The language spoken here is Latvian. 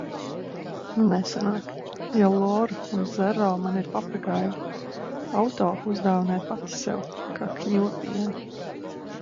Nesanāk, jo Lora un Zero man ir papagaiļi. Auto uzdāvināju pati sev, kā Kņopiene.